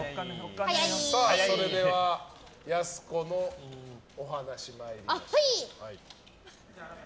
それでは、やす子のお話参りましょう。